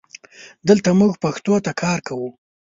دلته مونږ پښتو ته کار کوو